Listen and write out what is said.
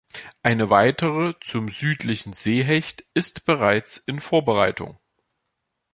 Eine weitere zum südlichen Seehecht ist bereits in Vorbereitung.